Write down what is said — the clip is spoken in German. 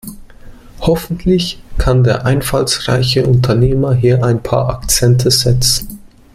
Hoffentlich kann der einfallsreiche Unternehmer hier ein paar Akzente setzen.